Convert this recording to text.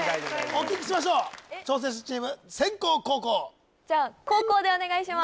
お聞きしましょう挑戦者チーム先攻後攻？じゃ後攻でお願いします